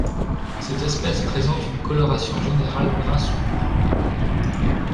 Cette espèce présente une coloration générale brun sombre.